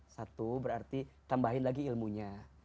satu berarti tambahin lagi ilmunya